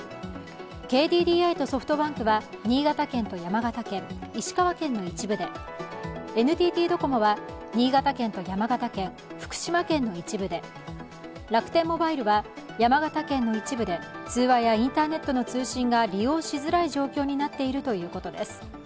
ＫＤＤＩとソフトバンクは新潟県と山形県、石川県の一部で、ＮＴＴドコモは新潟県と山形県、福島県の一部で、楽天モバイルは山形県の一部で通話やインターネットの通信が利用しづらい状況になっているということです。